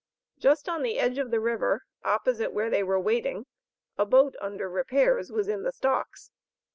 Just on the edge of the river, opposite where they were waiting, a boat under repairs was in the stocks.